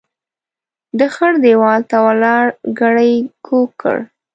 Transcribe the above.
د خړ ديوال ته ولاړ ګړی کوږ کړ.